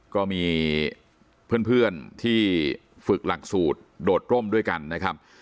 ก็มีเพื่อนที่ฝึกหลักสูตรโดดร่มด้วยกันนะครับ